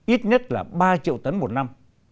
ít nhất là ba triệu tấn một năm